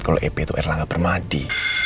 kalo ep itu r langga permadi